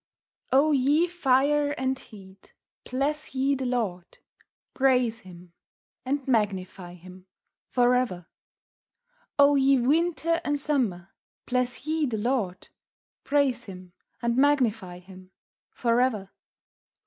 "O ye Fire and Heat, Bless ye the Lord; Praise Him, and Magnify Him for ever. O ye Winter and Summer, Bless ye the Lord; Praise Him, and Magnify Him for ever.